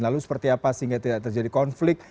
lalu seperti apa sehingga tidak terjadi konflik